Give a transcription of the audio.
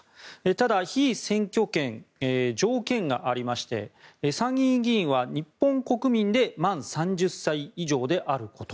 ただ、被選挙権条件がありまして参議院議員は日本国民で満３０歳以上であること。